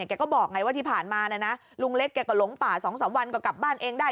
แกก็บอกไงว่าที่ผ่านมานะนะลุงเล็กแกก็หลงป่า๒๓วันก็กลับบ้านเองได้